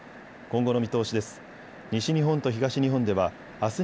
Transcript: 今後の見通しです。